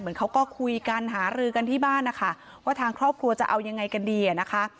เขาก็คุยกันหารือกันที่บ้านนะคะว่าทางครอบครัวจะเอายังไงกันดีอ่ะนะคะ